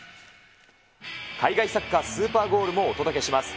海外サッカー、スーパーゴールもお届けします。